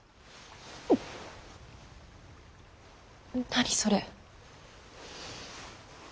何それ。